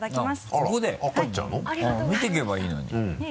見ていけばいいのに。